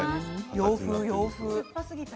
洋風、洋風。